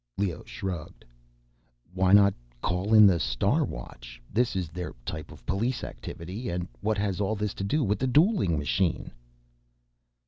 Leoh shrugged. "Why not call in the Star Watch? This is their type of police activity. And what has all this to do with the dueling machine?"